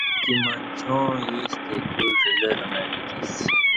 امکی منچاں اِییݩستہ اہ کیور ژژرہ مع گھٹی سی